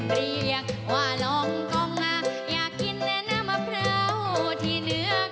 เรียกว่าลองกองอยากกินน้ำมะพร้าวที่เหนือข้าว